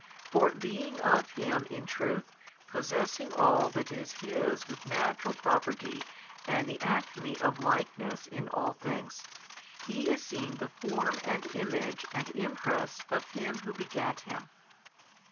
For being of Him in truth, possessing all that is His with Natural Property and the acme of likeness in ail things, He is seen the Form and Image and Impress of Him Who begat Him.